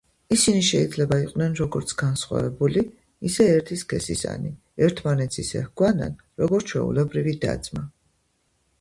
ისინი შეიძლება იყვნენ როგორც განსხვავებული, ისე ერთი სქესისანი, ერთმანეთს ისე ჰგვანან, როგორც ჩვეულებრივი და-ძმა.